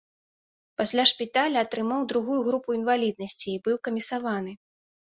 Пасля шпіталя атрымаў другую групу інваліднасці і быў камісаваны.